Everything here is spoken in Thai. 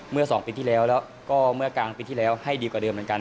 เมื่อ๒ปีที่แล้วแล้วก็เมื่อกลางปีที่แล้วให้ดีกว่าเดิมเหมือนกัน